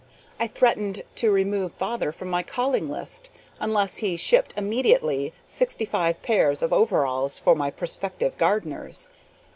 I threatened to remove father from my calling list unless he shipped immediately sixty five pairs of overalls for my prospective gardeners.